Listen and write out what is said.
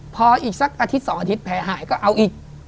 พออีกสักอาทิตย์๒อาทิตย์แผลหายก็เอาอีก